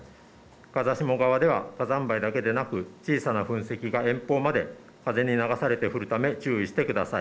風下側では火山灰だけでなく小さな噴石が遠方まで風に流されて降るため注意してください。